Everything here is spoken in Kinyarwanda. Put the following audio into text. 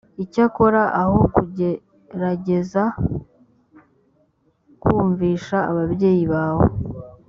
icyakora aho kugerageza kumvisha ababyeyi bawe